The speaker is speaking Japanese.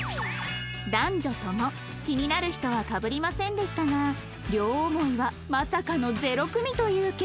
男女とも気になる人はかぶりませんでしたが両思いはまさかの０組という結果に